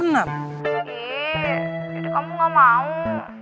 iya jadi kamu gak mau